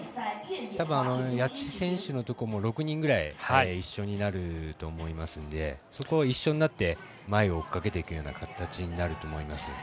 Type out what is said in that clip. たぶん谷地選手のところも６人ぐらい一緒になると思いますのでそこは一緒になって前を追いかけていく形になると思います。